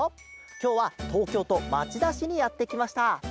きょうはとうきょうとまちだしにやってきました。